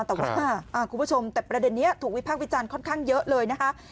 แต่ว่าคุณผู้ชมแต่ประเด็นนี้ถูกวิพากษ์วิจารณ์ค่อนข้างเยอะเลยนะคะ